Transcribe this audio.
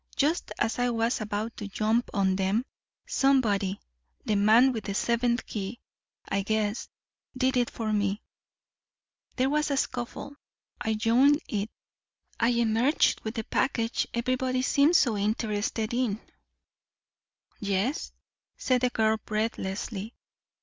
Just as I was about to jump on them, somebody the man with the seventh key, I guess did it for me. There was a scuffle. I joined it. I emerged with the package everybody seems so interested in." "Yes," said the girl breathlessly.